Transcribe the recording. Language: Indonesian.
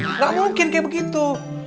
enggak mungkin kaya begitu